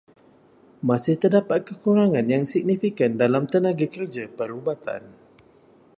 Masih terdapat kekurangan yang signifikan dalam tenaga kerja perubatan.